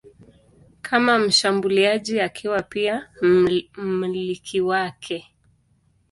kama mshambuliaji akiwa pia mmiliki wake.